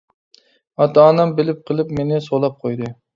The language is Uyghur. ئاتا-ئانام بىلىپ قېلىپ مېنى سولاپ قويدى.